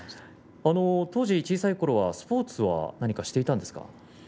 小さいころはスポーツは何かしていたんですか。